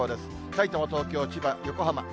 さいたま、東京、千葉、横浜。